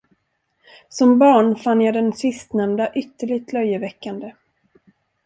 Som barn fann jag den sistnämnda ytterligt löjeväckande.